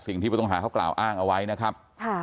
สิ่งที่ผู้ต้องหาเขากล่าวอ้างเอาไว้นะครับ